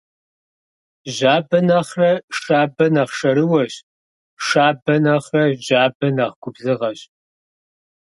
Жьабэ нэхърэ шабэ нэхъ шэрыуэщ, шабэ нэхърэ жьабэ нэхъ губзыгъэщ.